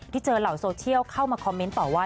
ที่เจอเหล่าโซเชียลเข้ามาคอมเมนต์ต่อว่า